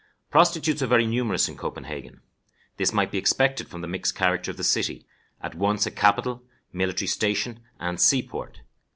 Prostitutes are very numerous in Copenhagen. This might be expected from the mixed character of the city, at once a capital, military station, and sea port.